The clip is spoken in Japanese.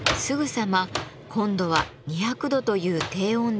すぐさま今度は２００度という低温で温めます。